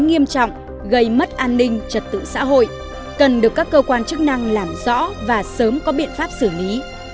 nghiêm trọng gây mất an ninh trật tự xã hội cần được các cơ quan chức năng làm rõ và sớm có biện pháp xử lý